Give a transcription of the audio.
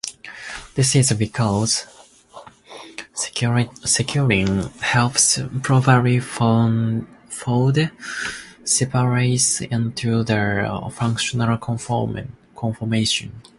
This is because securin helps properly fold separase into the functional conformation.